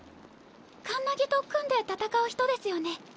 カンナギと組んで戦う人ですよね。